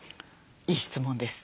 いい質問です。